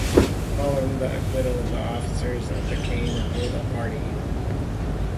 Following the acquittal, the officers of the Caine hold a party.